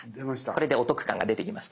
これでお得感が出てきました。